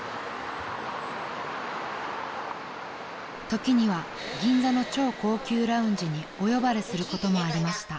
［時には銀座の超高級ラウンジにお呼ばれすることもありました］